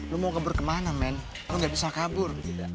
lo mau kabur kemana man lo gak bisa kabur